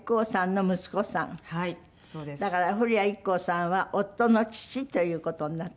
だから古谷一行さんは夫の父という事になって。